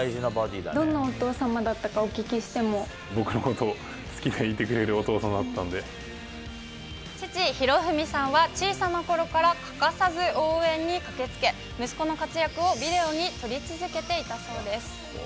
どんなお父様だったか、僕のことを好きでいてくれる父、寛文さんは、小さなころから欠かさず応援に駆けつけ、息子の活躍をビデオに撮り続けていたそうです。